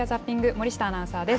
森下アナウンサーです。